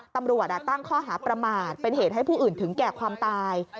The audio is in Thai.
ตำรวจตั้งข้อหาประมาทเป็นเหตุให้ผู้อื่นถึงแก่ความตาย